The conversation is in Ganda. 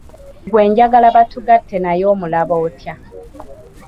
Gwe njagala batugatte naye omulaba otya.